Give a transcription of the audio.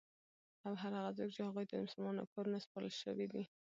او هر هغه څوک چی هغوی ته د مسلمانانو کارونه سپارل سوی وی